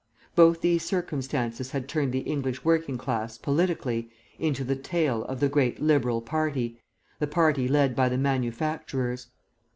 Both these circumstances had turned the English working class, politically, into the tail of the 'great Liberal party,' the party led by the manufacturers.